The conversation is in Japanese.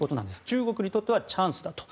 中国にとってはチャンスだと。